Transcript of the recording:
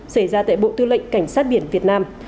xảy ra tại bộ tư lệnh cảnh sát biển việt nam